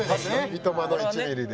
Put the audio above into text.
三笘の１ミリで。